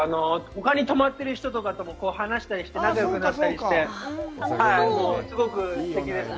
ほかに泊まってる人とかとも話したりして仲よくなったりしてすごくすてきです。